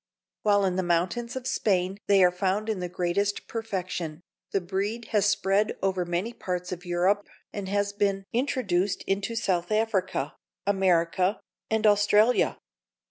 While in the mountains of Spain they are found in the greatest perfection, the breed has spread over many parts of Europe and has been introduced into South Africa, America and Australia.